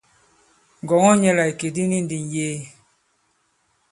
Ngɔ̀ŋɔ nyɛ la ìkè di ni ndi ŋ̀yee.